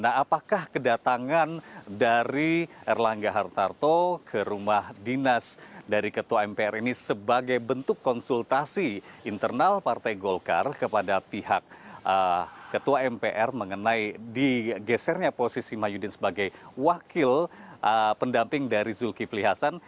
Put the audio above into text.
nah apakah kedatangan dari erlangga hartarto ke rumah dinas dari ketua mpr ini sebagai bentuk konsultasi internal partai golkar kepada pihak ketua mpr mengenai digesernya posisi mahyudin sebagai wakil pendamping dari zulkifli hasan